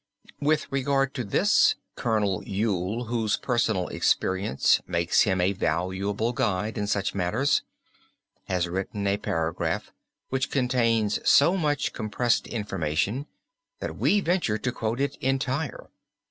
With regard to this Colonel Yule, whose personal experience makes him a valuable guide in such matters, has written a paragraph which contains so much compressed information that we venture to quote it entire.